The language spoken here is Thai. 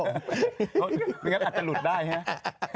อันนั้นอาจจะหลุดได้นะ